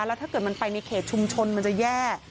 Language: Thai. แล้วถ้าเกิดมันไปในเขตชุมชนมันจะแย่